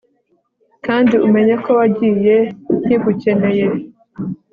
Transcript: kandi umenye ko wagiye nki gukeneye